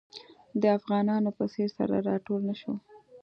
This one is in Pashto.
د افغانانو په څېر سره راټول نه شو.